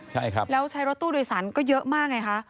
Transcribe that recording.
ใช่ครับแล้วใช้รถตู้โดยสารก็เยอะมากไงคะ